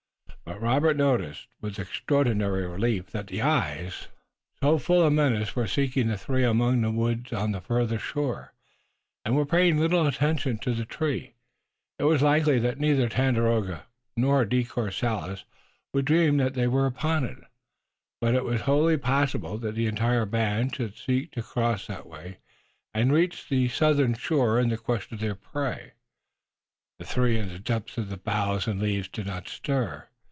But Robert noticed with extraordinary relief that the eyes so full of menace were seeking the three among the woods on the farther shore, and were paying little attention to the tree. It was likely that neither Tandakora nor De Courcelles would dream that they were upon it, but it was wholly possible that the entire band should seek to cross that way, and reach the southern shore in the quest of their prey. The three in the depths of the boughs and leaves did not stir.